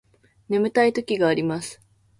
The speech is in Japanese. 眠たい時があります